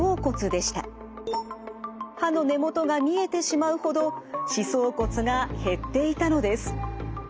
歯の根元が見えてしまうほど歯槽骨が減っていたのです。